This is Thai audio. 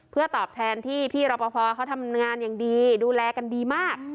เพื่อตอบแทนที่พี่รอปภเขาทำงานอย่างดีดูแลกันดีมาก